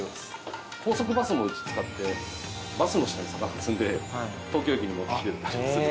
高速バスもうち使ってバスの下に魚積んで東京駅に持ってきてる。